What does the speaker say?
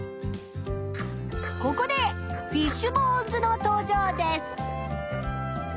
ここでフィッシュ・ボーン図の登場です。